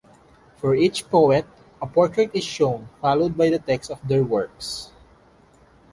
For each poet, a portrait is shown, followed by the text of their works.